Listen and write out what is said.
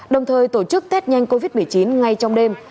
đồng thời tổ chức tết nhanh covid một mươi chín ngay trong đêm